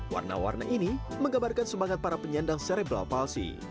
warna warna ini menggambarkan semangat para penyandang serebral palsi